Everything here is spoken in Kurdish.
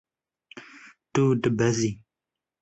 Tu dibezî.